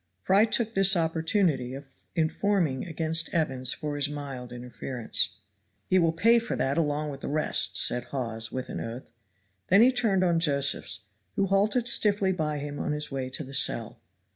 Fry took this opportunity of informing against Evans for his mild interference. "He will pay for that along with the rest," said Hawes with an oath. Then he turned on Josephs, who halted stiffly by him on his way to his cell.